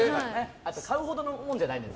あと買うほどのもんじゃないです。